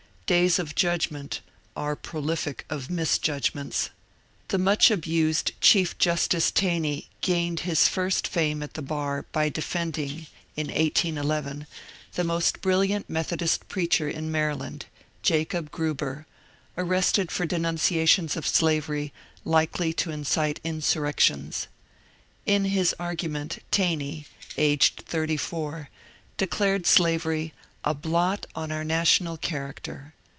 Days of judgment are prolific of misjudgments. The much abused Chief Justice Taney gained his first fame at the bar by defending (1811) the most brilliant Methodist preacher in Maryland, Jacob Gruber, arrested for denunciations of slavery likely to incite insurrections. Li hb argument Taney (aged thirty four) declared slavery ^^ a blot on our national charac ter."